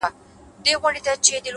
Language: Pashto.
خپل خوبونه په عمل بدل کړئ،